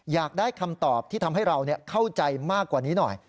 อยากได้คำตอบที่ทำให้เราเข้าใจมากกว่านี้หน่อย